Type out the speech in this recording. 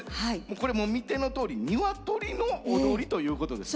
これもう見てのとおりにわとりの踊りということですか？